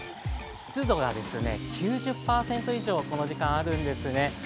湿度が９０％以上、この時間、あるんですね。